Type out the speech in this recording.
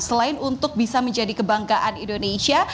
selain untuk bisa menjadi kebanggaan indonesia